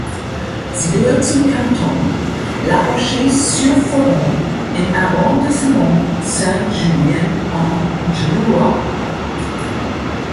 Sie gehört zum Kanton La Roche-sur-Foron im Arrondissement Saint-Julien-en-Genevois.